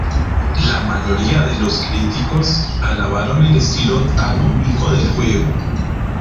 La mayoría de los críticos alabaron el estilo tan único del juego.